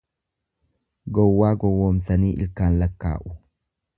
Gowwaa gowwomsanii ilkaan lakkaa'u.